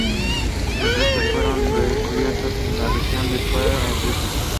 Sus restos fueron descubiertos en la región de Perm en Rusia.